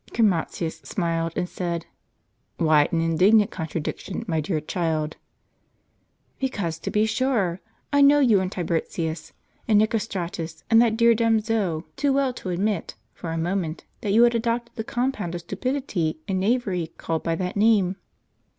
Chromatins smiled, and said: "Why an indignant contra diction, my dear child ?" "Because, to be sure, I know you and Tiburtius, and JSTicostratus, and that dear dumb Zoe, too well to admit, for a moment, that you had adopted the compound of stupidity and knavery called by that name."